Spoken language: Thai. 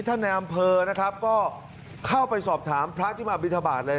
ในอำเภอนะครับก็เข้าไปสอบถามพระที่มาบินทบาทเลย